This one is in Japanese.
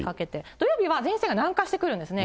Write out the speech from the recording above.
土曜日は前線が南下してくるんですね。